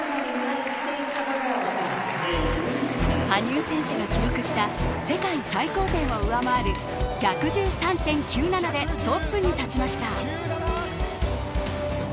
羽生選手が記録した世界最高点を上回る１１３．９７でトップに立ちました。